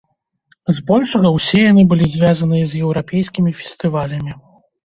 З большага ўсе яны былі звязаныя з еўрапейскімі фестывалямі.